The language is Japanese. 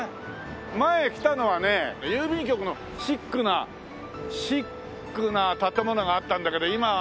前来たのはね郵便局のシックなシックな建物があったんだけど今は。